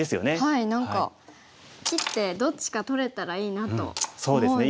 はい何か切ってどっちか取れたらいいなと思うんですが。